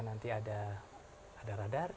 nanti ada radar